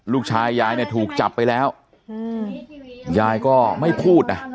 ลูกชายยายเนี่ยถูกจับไปแล้วอืมยายก็ไม่พูดอ่ะ